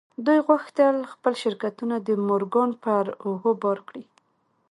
دوی غوښتل خپل شرکتونه د مورګان پر اوږو بار کړي.